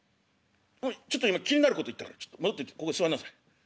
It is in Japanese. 「ちょっと今気になること言ったから戻ってここ座んなさい」。